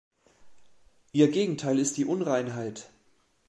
Ihr Gegenteil ist die "Unreinheit".